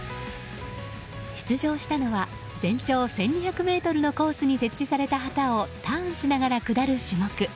出場したのは全長１２００ｍのコースに設置された旗をターンしながら下る種目。